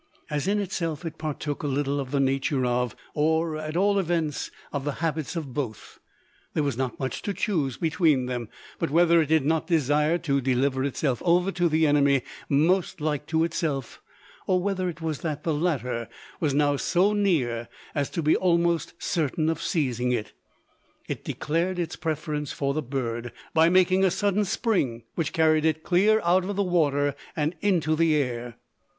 As, in itself, it partook a little of the nature of, or, at all events, of the habits of both, there was not much to choose between them; but whether it did not desire to deliver itself over to the enemy most like to itself, or whether it was that the latter was now so near as to be almost certain of seizing it, it declared its preference for the bird by making a sudden spring which carried it clear out of the water, and into the air.